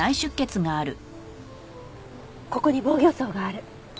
ここに防御創がある。